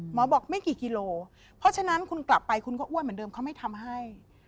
บอกไม่กี่กิโลเพราะฉะนั้นคุณกลับไปคุณก็อ้วนเหมือนเดิมเขาไม่ทำให้